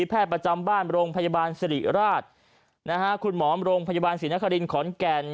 ประจำบ้านโรงพยาบาลสิริราชนะฮะคุณหมอโรงพยาบาลศรีนครินขอนแก่น